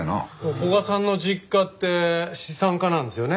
古賀さんの実家って資産家なんですよね？